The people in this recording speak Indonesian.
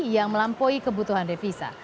yang melampaui kebutuhan devisa